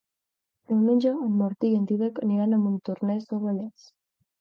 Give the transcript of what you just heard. Diumenge en Martí i en Drac aniran a Montornès del Vallès.